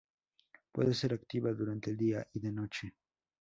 Puede ser activa durante el día y de noche.